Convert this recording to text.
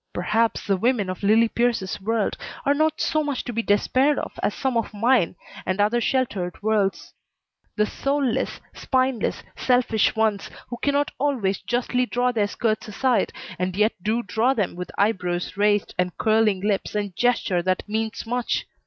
Perhaps the women of Lillie Pierce's world are not so much to be despaired of as some of mine and other sheltered worlds; the soulless, spineless, selfish ones who cannot always justly draw their skirts aside, and yet do draw them with eyebrows raised, and curling lips, and gesture that means much.